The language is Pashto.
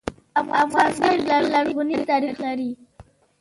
افغانستان ډير لرغونی تاریخ لري